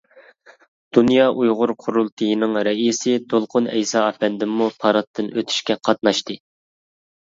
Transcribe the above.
دۇنيا ئۇيغۇر قۇرۇلتىيىنىڭ رەئىسى دولقۇن ئەيسا ئەپەندىممۇ پاراتتىن ئۆتۈشكە قاتناشتى.